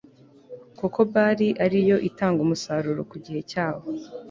kuko Bali ari yo itanga umusaruro ku gihe cyawo